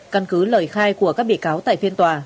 căn cứ lời khai của các bị cáo tại phiên tòa